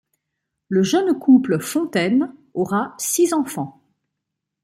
Le jeune couple Fontaine aura six enfants.